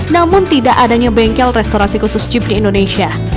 namun tidak adanya bengkel restorasi khusus jeep di indonesia